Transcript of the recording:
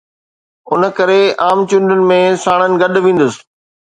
ان ڪري عام چونڊن ۾ ساڻن گڏ ويندس.